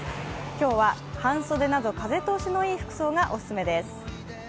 今日は半袖など風通しのいい服がオススメです。